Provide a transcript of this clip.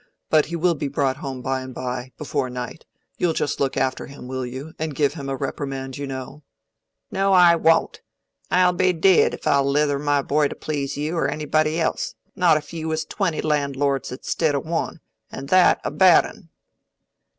But he will be brought home by and by, before night: and you'll just look after him, will you, and give him a reprimand, you know?" "No, I woon't: I'll be dee'd if I'll leather my boy to please you or anybody else, not if you was twenty landlords istid o' one, and that a bad un."